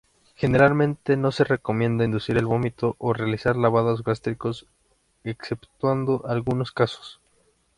Generalmente no se recomienda inducir el vómito o realizar lavados gástricos, exceptuando algunos casos.